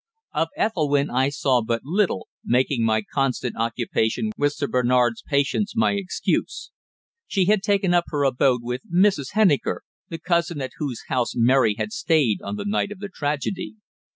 Of Ethelwynn I saw but little, making my constant occupation with Sir Bernard's patients my excuse. She had taken up her abode with Mrs. Henniker the cousin at whose house Mary had stayed on the night of the tragedy.